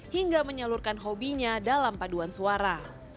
hingga menyalurkan hobinya dalam paduan suara